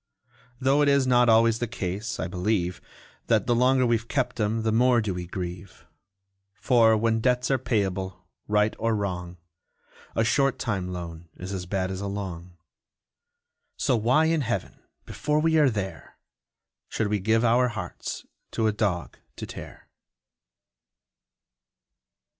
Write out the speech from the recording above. Though it is not always the case, I believe, That the longer we've kept 'em, the more do we grieve: For, when debts are payable, right or wrong, A short time loan is as bad as a long So why in Heaven (before we are there!) Should we give our hearts to a dog to tear?